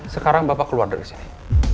sekarang bapak keluar dari sini